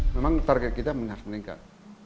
memang target kita harus meningkat